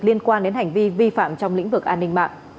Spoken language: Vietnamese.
liên quan đến hành vi vi phạm trong lĩnh vực an ninh mạng